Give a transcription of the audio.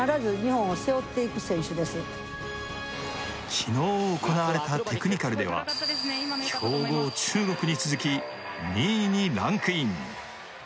昨日行われたテクニカルでは強豪・中国に続き２位にランクイン。